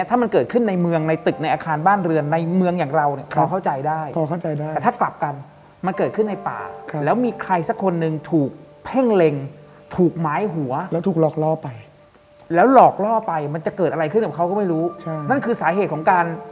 แต่เด็กเห็นเราอยู่หลัง